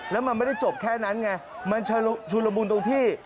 แล้วมันไม่ได้จบแค่นั้นไงมันชุดละมุนตรงที่